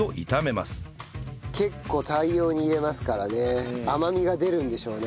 結構大量に入れますからね甘みが出るんでしょうね